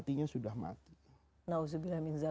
tapi orang yang sudah mati hatinya itu sudah tidak lagi perhatian